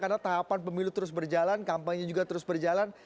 karena tahapan pemilu terus berjalan kampanye juga terus berjalan